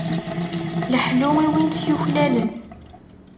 Leḥlu i win t-yuklalen.